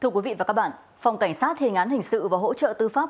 thưa quý vị và các bạn phòng cảnh sát hình án hình sự và hỗ trợ tư pháp